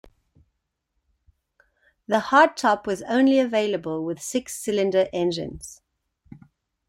The hardtop was only available with six-cylinder engines.